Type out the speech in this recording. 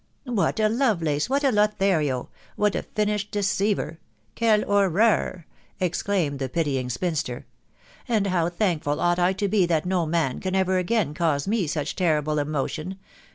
" What a Lovelace !..• .what a Lothario !.... what a finished deceiver !.... Kel oreur /...." exclaimed the pity ing spinster ...." And how thankful ought I to be that no man can ever again cause me such terrible emotion